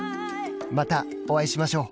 またお会いしましょう！